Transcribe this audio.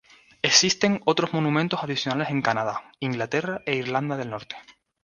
Existen otros monumentos adicionales en Canadá, Inglaterra e Irlanda del Norte.